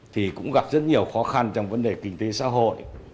thì cũng gặp rất nhiều khó khăn trong vấn đề kinh tế xã hội